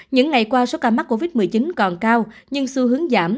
những ngày qua số ca mắc covid một mươi chín còn cao nhưng xu hướng giảm